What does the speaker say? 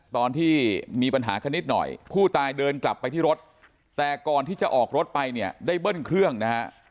ตอนที่มีปัญหากันนิดหน่อยผู้ตายเดินกลับไปที่รถแต่ก่อนที่จะออกรถไปเนี่ยได้เบิ้ลเครื่องนะฮะ